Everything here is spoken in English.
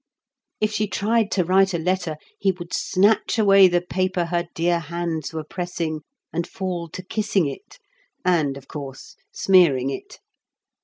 If she tried to write a letter, he would snatch away the paper her dear hands were pressing and fall to kissing it—and, of course, smearing it.